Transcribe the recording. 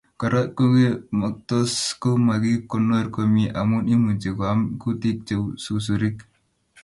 Kora kongemoktos ngomakikonor komie amu imuchi koam kutik cheu susurik